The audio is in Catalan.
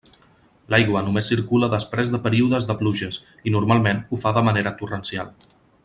L'aigua només circula després de períodes de pluges, i normalment ho fa de manera torrencial.